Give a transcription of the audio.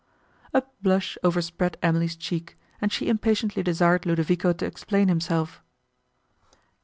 A blush overspread Emily's cheek, and she impatiently desired Ludovico to explain himself.